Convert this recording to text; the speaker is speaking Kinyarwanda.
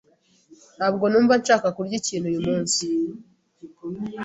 Ntabwo numva nshaka kurya ikintu uyu munsi.